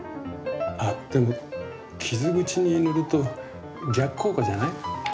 でも傷口に塗ると逆効果じゃない？